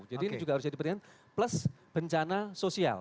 jadi ini juga harus jadi pertimbangan plus bencana sosial